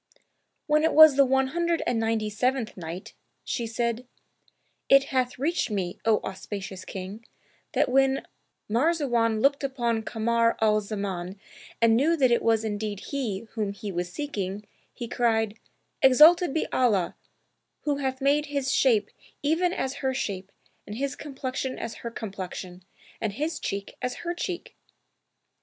When it was the One Hundred and Ninety seventh Night, She said, It hath reached me, O auspicious King, that when Marzawan looked upon Kamar al Zaman and knew that it was indeed he whom he was seeking, he cried, "Exalted be Allah, Who hath made his shape even as her shape and his complexion as her complexion and his cheek as her cheek!''